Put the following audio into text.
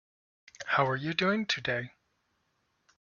How are you doing today?